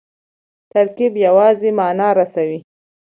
ترکیب یوازي مانا رسوي.